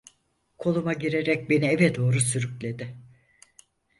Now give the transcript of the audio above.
Koluma girerek beni eve doğru sürükledi.